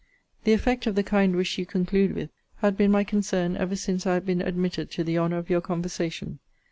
The effect of the kind wish you conclude with, had been my concern ever since I have been admitted to the honour of your conversation.